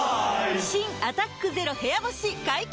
新「アタックＺＥＲＯ部屋干し」解禁‼